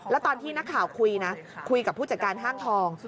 แล้วตอนที่นักข่าวคุยนะคุยกับผู้จัดการห้างทอง